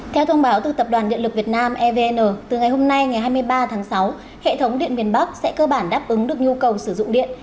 theo thông báo từ tập đoàn điện lực việt nam evn từ ngày hôm nay ngày hai mươi ba tháng sáu hệ thống điện miền bắc sẽ cơ bản đáp ứng được nhu cầu sử dụng điện